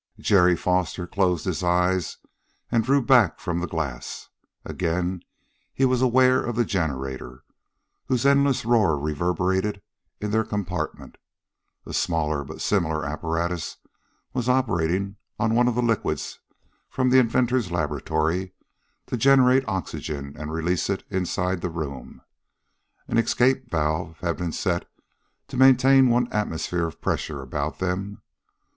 Jerry Foster closed his eyes and drew back from the glass. Again he was aware of the generator, whose endless roar reverberated in their compartment. A smaller but similar apparatus was operating on one of the liquids from the inventor's laboratory to generate oxygen and release it inside the room. An escape valve had been set to maintain one atmosphere of pressure about them.